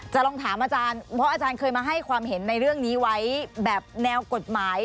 ลองถามอาจารย์เพราะอาจารย์เคยมาให้ความเห็นในเรื่องนี้ไว้แบบแนวกฎหมาย